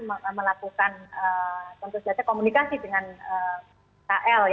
melakukan kontrol komunikasi dengan kl